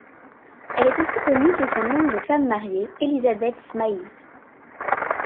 Elle est aussi connue sous son nom de femme mariée, Elisabeth Smylie.